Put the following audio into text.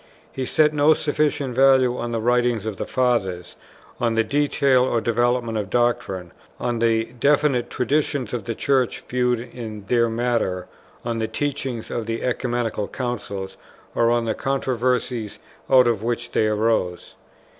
He set no sufficient value on the writings of the Fathers, on the detail or development of doctrine, on the definite traditions of the Church viewed in their matter, on the teaching of the Ecumenical Councils, or on the controversies out of which they arose.